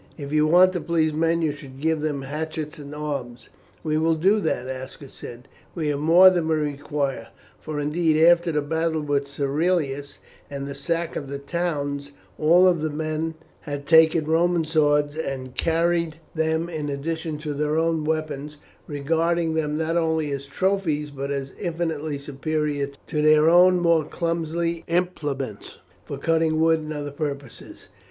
If you want to please men you should give them hatchets and arms." "We will do that," Aska said, "we have more than we require;" for indeed after the battle with Cerealis and the sack of the towns all the men had taken Roman swords and carried them in addition to their own weapons, regarding them not only as trophies but as infinitely superior to their own more clumsy implements for cutting wood and other purposes.